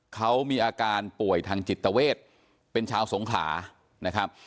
เขามีอาการป่วยทางจิตเวทเป็นชาวสงขลานะครับ